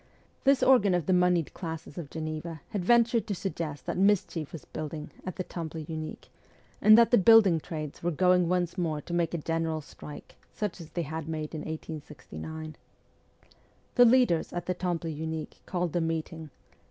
This organ of the moneyed classes of Geneva had ventured to suggest that mischief was brewing at the Temple Unique, and that the building trades were going once more to make a general strike, such as they had made in 1869. The leaders at the Temple Unique called the meeting.